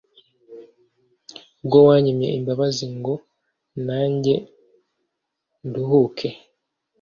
Ubwo wanyimye imbabazi Ngo nanjye nduhuke